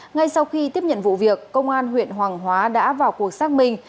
ngay sau khi tiếp nhận vụ việc công an huyện hoàng hóa đã vào cuộc xác minh